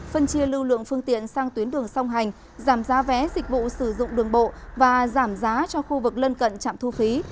phân chia lưu lượng phương tiện sang tuyến đường song hành giảm giá vé dịch vụ sử dụng đường bộ và giảm giá cho khu vực lân cận trạm thu phí